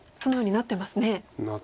なってます。